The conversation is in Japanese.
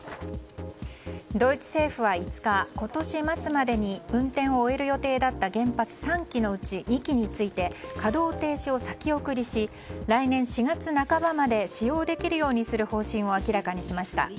ドイツ政府は５日今年末までに運転を終える予定だった原発３基のうち、２基について稼働停止を先送りし来年４月半ばまで使用できるようにする方針を明らかにしました。